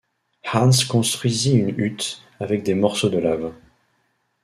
Hans construisit une hutte avec des morceaux de lave.